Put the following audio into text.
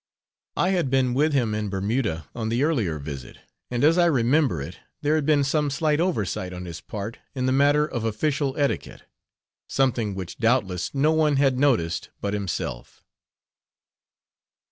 I had been with him in Bermuda on the earlier visit, and as I remember it, there had been some slight oversight on his part in the matter of official etiquette something which doubtless no one had noticed but himself.